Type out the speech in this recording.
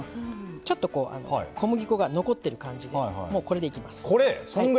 ちょっと小麦粉が残ってる感じでこれでいきます。